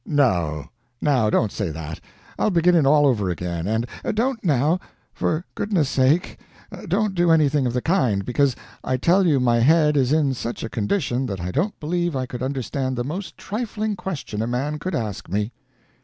"No; now don't say that. I'll begin it all over again, and " "Don't now for goodness' sake, don't do anything of the kind, because I tell you my head is in such a condition that I don't believe I could understand the most trifling question a man could ask me.